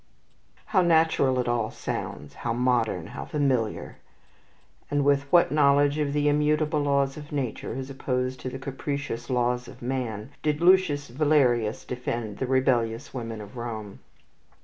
'" How natural it all sounds, how modern, how familiar! And with what knowledge of the immutable laws of nature, as opposed to the capricious laws of man, did Lucius Valerius defend the rebellious women of Rome!